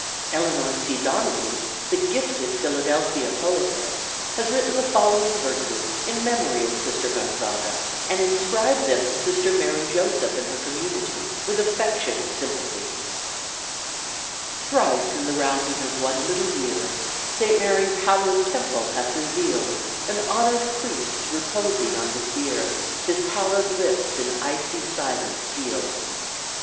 Eleanor C. Donnelly, the gifted Philadelphia poetess, has written the following verses in memory of Sister Gonzaga and inscribed them to Sister Mary Joseph and her community, with affectionate sympathy: Thrice in the rounding of one little year, Saint Mary's hallowed temple hath revealed An honored priest reposing on his bier, His pallid lips in icy silence sealed.